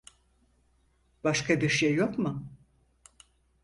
Başka bir şey yok mu?